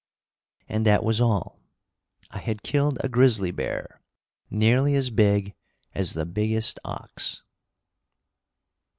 And that was all. I had killed a grizzly bear; nearly as big as the biggest ox.